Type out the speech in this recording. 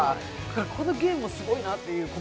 このゲームもすごいなと思って。